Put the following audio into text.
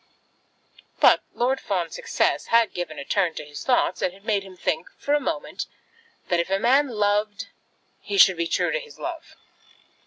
But Lord Fawn's success had given a turn to his thoughts, and had made him think, for a moment, that if a man loved, he should be true to his love.